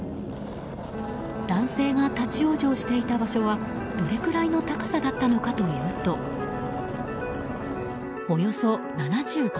男性が立ち往生していた場所はどれくらいの高さだったのかというとおよそ７５ｍ。